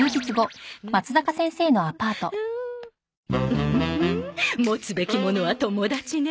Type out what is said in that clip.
ウフフ持つべきものは友達ね！